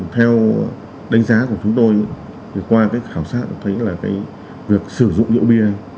theo đánh giá của chúng tôi thì qua cái khảo sát thấy là cái việc sử dụng rượu bia